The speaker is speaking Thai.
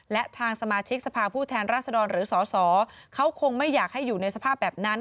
และทางสมาชิกสภาพผู้แทนราษฎรหรือสสเขาคงไม่อยากให้อยู่ในสภาพแบบนั้น